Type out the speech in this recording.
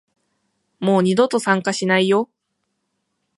もう二度と参加しないよ